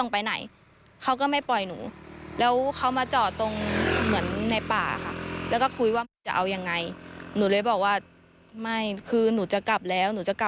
ผมอ่ะมีอย่างประมาณนี้คือ